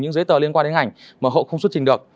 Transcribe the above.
những giấy tờ liên quan đến ảnh mà họ không xuất trình được